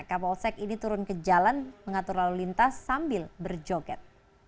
kapolsek ini turun ke jalan mengatur lalu lintas sambil berjoget